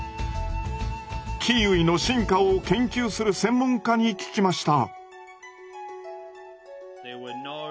キーウィの進化を研究する専門家に聞きました。